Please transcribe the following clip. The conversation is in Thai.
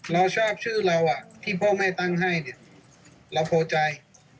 เราชอบชื่อเราอะที่พ่งให้ตั้งให้เราโทรใจ